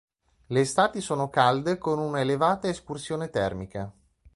Le estati sono calde, con una elevata escursione termica.